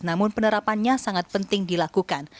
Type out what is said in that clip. namun penerapannya sangat penting dilakukan